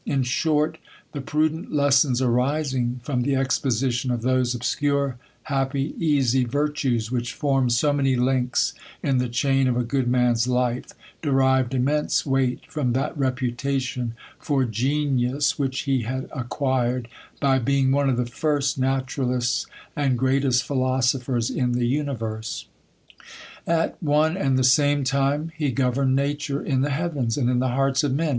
In short, the prudent lessons arising from the exposition of those obscure, happy, easy virtues, which form so many links in the chain of a good man's life, derived immense weight from that reputation for genius which he had acquire^!. ea THE COLUMBIAN ORATOR. acquired, by being one of the first naturalists and greatest philosophers in the universe. At one and the same time, he governed nature in the heavens and in the hearts of men.